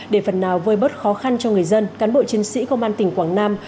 để phần nào vơi bớt khó khăn cho người dân cán bộ chiến sĩ công an tỉnh quảng nam